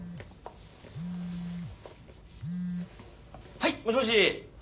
はいもしもし！